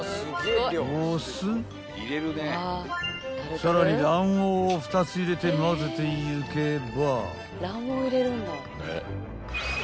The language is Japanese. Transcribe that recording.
［さらに卵黄を２つ入れてまぜていけば］